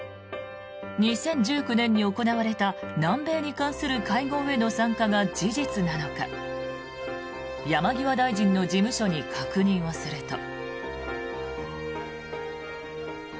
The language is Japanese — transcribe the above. ２０１９年に行われた南米に関する会合への参加が事実なのか山際大臣の事務所に確認をすると。